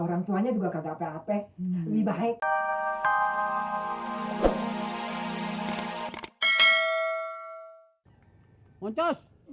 orang tuanya juga